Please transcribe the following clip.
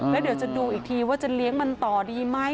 แล้วเดี๋ยวจะดูอีกทีว่าจะเลี้ยงมันต่อดีไหม